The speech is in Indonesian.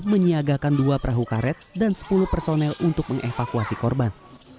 menyiagakan dua perahu karet dan sepuluh personel untuk mengevakuasi korban